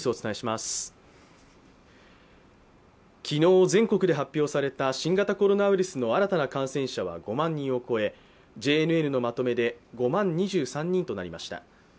昨日全国で発表された新型コロナウイルスの新たな感染者は５万人を超えＪＮＮのまとめで５万２３人となりました。